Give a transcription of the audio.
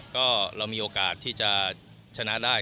ก็เรามีโอกาสที่จะชนะได้